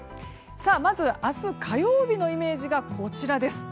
まず、明日火曜日のイメージがこちらです。